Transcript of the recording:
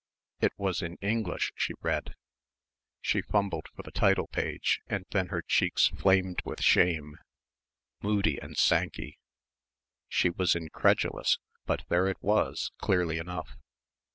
It was in English she read. She fumbled for the title page and then her cheeks flamed with shame, "Moody and Sankey." She was incredulous, but there it was, clearly enough.